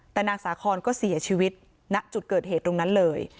แต่นางสาคอนก็เสียชีวิตณจุดเกิดเหตุตรงนั้นเลย